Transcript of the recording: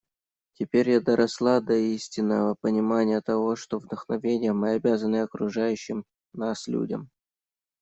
Теперь я доросла до истинного понимания того, что вдохновением мы обязаны окружающим нас людям.